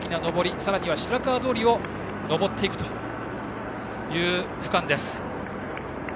さらには、白川通を上っていくという区間です。